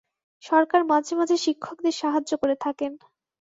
সরকার মাঝে মাঝে শিক্ষকদের সাহায্য করে থাকেন।